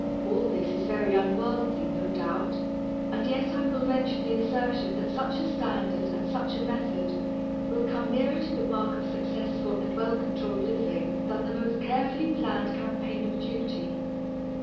All this is very unworldly, no doubt, and yet I will venture the assertion that such a standard and such a method will come nearer to the mark of successful and well controlled living than the most carefully planned campaign of duty.